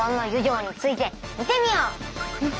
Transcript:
うん。